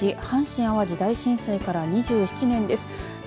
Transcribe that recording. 阪神・淡路大震災から２７年です。